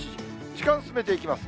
時間進めていきます。